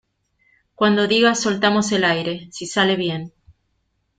cuando digas, soltamos el aire. si sale bien